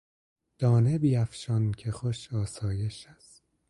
...دانه بیافشان که خوش آسایش است